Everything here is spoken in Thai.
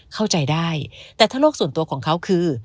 เข้าใจได้แต่ถ้าโลกส่วนตัวของเขาคือ